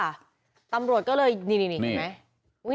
ตำรวจก็เลยนี่เห็นไหม